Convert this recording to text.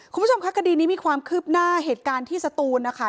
คุณผู้ชมคะคดีนี้มีความคืบหน้าเหตุการณ์ที่สตูนนะคะ